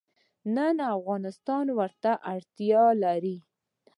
نننی افغانستان ورته اړتیا لري.